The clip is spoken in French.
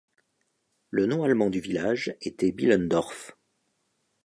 Le nom allemand du village était Billendorf.